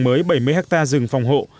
trồng mới bảy mươi hectare rừng phòng hộ